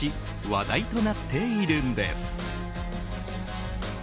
話題となっているんです。